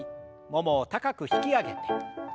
ももを高く引き上げて。